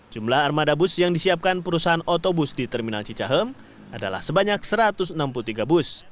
jumlah armada bus yang disiapkan perusahaan otobus di terminal cicahem adalah sebanyak satu ratus enam puluh tiga bus